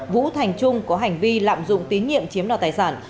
vũ thành trung có hành vi lạm dụng tín nhiệm chiếm đoạt tài sản